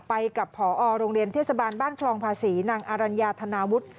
ไปกับผอโรงเรียนเทศบาลบ้านคลองภาษีนางอรัญญาธนาวุฒิ